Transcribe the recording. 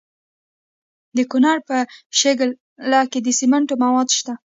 د کونړ په شیګل کې د سمنټو مواد شته.